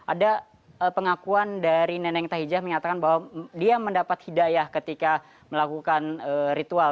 ada pengakuan dari neneng tahijah menyatakan bahwa dia mendapat hidayah ketika melakukan ritual